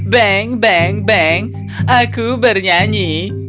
bang bang aku bernyanyi